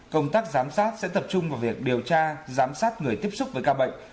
công tác giám sát sẽ tập trung vào việc điều tra giám sát người tiếp xúc với ca bệnh